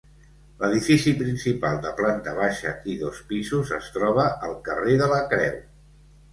L'edifici principal de planta baixa i dos pisos es troba al carrer de la creu.